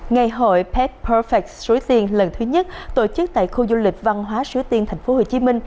ngày hội pet perfect sứ tiên lần thứ nhất tổ chức tại khu du lịch văn hóa sứ tiên tp hcm